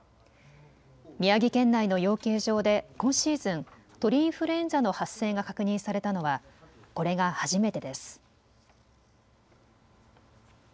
宮城県内の養鶏場で今シーズン、鳥インフルエンザの発生が確認されたのはこれが初めてです。